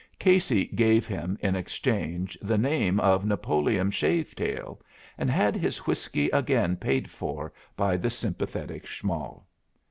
Casey gave him, in exchange, the name of Napoleon Shave Tail, and had his whiskey again paid for by the sympathetic Schmoll.